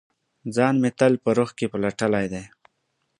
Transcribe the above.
ځان مې تل په روح کې پلټلي دی